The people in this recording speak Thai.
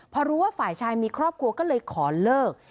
พอรู้ว่าฝ่ายชายมีครอบครัวก็เลยขอเลิก